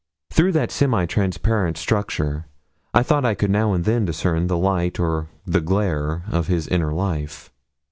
Through that semi transparent structure I thought I could now and then discern the light or the glare of his inner life.